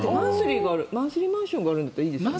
マンスリーマンションがあるならいいよね。